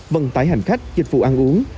vận tải hành khách dịch vụ ăn uống